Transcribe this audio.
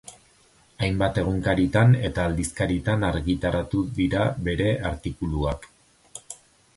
Hainbat egunkaritan eta aldizkaritan argitaratu dirabere artikuluak.